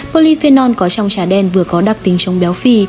polyphenol có trong trà đen vừa có đặc tính chống béo phì